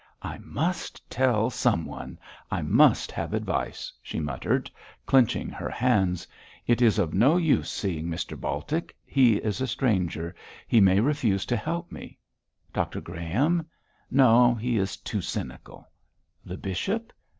'I must tell someone; I must have advice,' she muttered, clenching her hands. 'It is of no use seeing Mr Baltic; he is a stranger; he may refuse to help me. Dr Graham? No! he is too cynical. The bishop?'